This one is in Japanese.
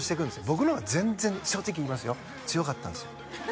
僕の方が全然正直言いますよ強かったんですよ